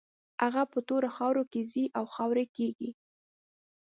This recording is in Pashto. هغه په تورو خاورو کې ځي او خاورې کېږي.